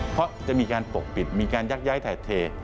เพราะมีการปกปิดมีการยักย์ย้ายแผดเหท